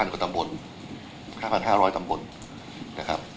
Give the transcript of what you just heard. กว่าตำบล๕๕๐๐ตำบลนะครับ